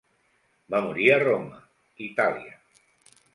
Va morir a Roma, Itàlia.